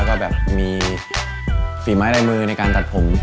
ก็มีฝีม้ายใดมือในการตัดผม